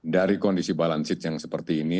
dari kondisi balance sheet yang seperti ini